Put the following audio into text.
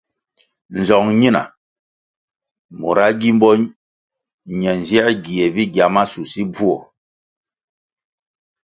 Nzong nina mura gímbo ne nzier gie bigya masusi bvuo.